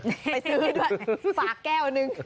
ไปซื้อฝากแก้วนึง